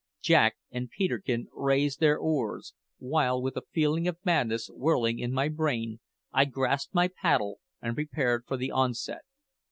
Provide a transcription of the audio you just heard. Jack and Peterkin raised their oars, while, with a feeling of madness whirling in my brain, I grasped my paddle and prepared for the onset.